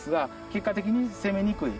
結果的に攻めにくい。